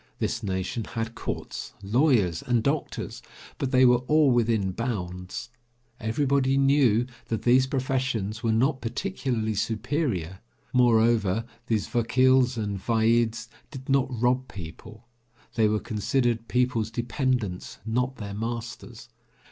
This nation had courts, lawyers and doctors, but they were all within bounds. Everybody knew that these professions were not particularly superior; moreover, these vakils and vaids did not rob people; they were considered people's dependents, not their masters.